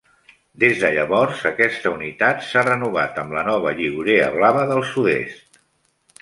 Des de llavors, aquesta unitat s'ha renovat amb la nova lliurea blava del sud-est.